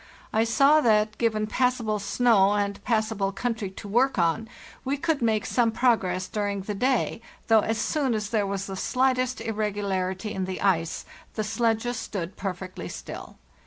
I saw that, given passable snow and passable country to work on, we could make some progress during the day, though as soon as there was the slightest irregularity in the ice the sledges stood perfectly still.